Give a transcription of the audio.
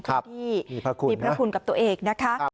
ที่มีพระคุณกับตัวเองนะคะ